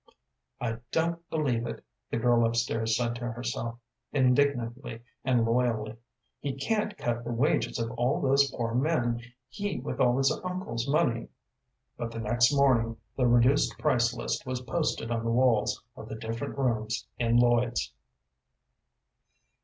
"I don't believe it," the girl up stairs said to herself, indignantly and loyally. "He can't cut the wages of all those poor men, he with all his uncle's money." But the next morning the reduced price list was posted on the walls of the different rooms in Lloyd's.